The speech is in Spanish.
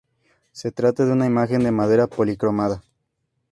Se trata de una imagen de madera policromada.